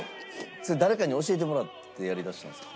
それ誰かに教えてもらってやりだしたんですか？